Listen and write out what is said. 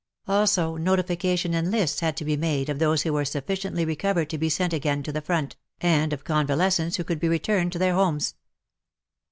Also notification and lists had to be made of those who were sufficiently recovered to be sent again to the front, and of convalescents who could be returned to their homes.